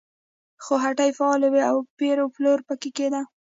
خو هټۍ فعالې وې او پېر و پلور پکې کېده.